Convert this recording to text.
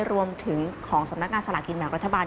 รวมถึงของสำนักงานสลากินแบ่งรัฐบาล